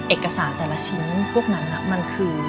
เอกสารแต่ละชิ้นพวกนั้น